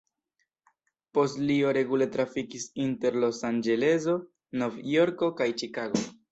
Post tio li regule trafikis inter Los-Anĝeleso, Novjorko kaj Ĉikago.